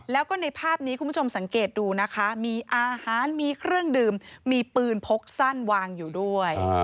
แล้วก็ในภาพนี้คุณผู้ชมสังเกตดูนะคะมีอาหารมีเครื่องดื่มมีปืนพกสั้นวางอยู่ด้วย